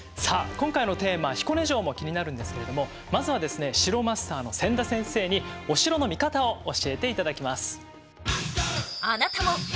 今回のテーマ彦根城も気になるんですけれどもまずはですね城マスターの千田先生にお城の見方を教えていただきます。